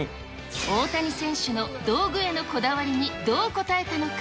大谷選手の道具へのこだわりに、どう応えたのか。